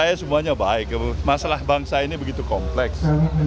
saya semuanya baik masalah bangsa ini begitu kompleks